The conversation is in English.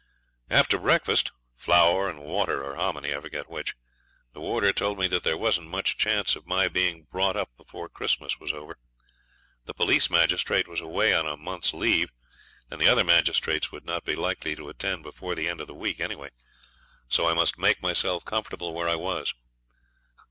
After breakfast, flour and water or hominy, I forget which, the warder told me that there wasn't much chance of my being brought up before Christmas was over. The police magistrate was away on a month's leave, and the other magistrates would not be likely to attend before the end of the week, anyway. So I must make myself comfortable where I was.